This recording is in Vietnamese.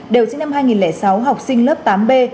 đều sinh năm hai nghìn sáu học sinh lớp tám b